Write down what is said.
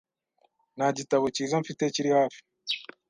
Nta gitabo cyiza mfite kiri hafi.